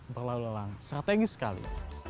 berlalu lalang strategis sekali